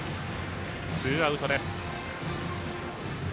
ツーアウトです。